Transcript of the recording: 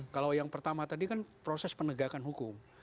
kalau yang pertama tadi kan proses penegakan hukum